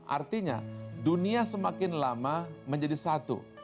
artinya dunia semakin lama menjadi satu